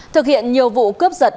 thực hiện nhiều vụ cướp giật